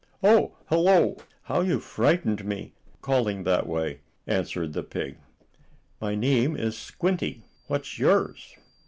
"Oh, hello! How you frightened me, calling that way!" answered the pig. "My name is Squinty. What's yours?"